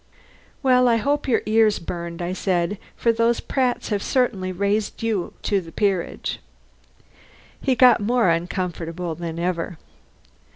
"Well, I hope your ears burned," I said, "for those Pratts have certainly raised you to the peerage." He got more uncomfortable than ever.